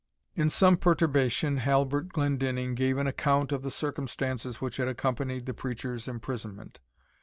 In some perturbation Halbert Glendinning gave an account of the circumstances which had accompanied the preacher's imprisonment.